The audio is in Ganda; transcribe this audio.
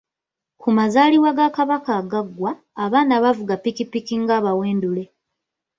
Ku mazaalibwa ga Kabaka agaggwa, abaana baavuga ppikipiki ng'abaweendule.